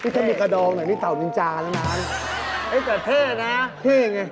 สามารถรับชมได้ทุกวัย